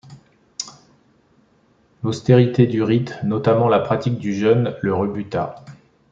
L'austérité du rite, notamment la pratique du jeûne, le rebuta.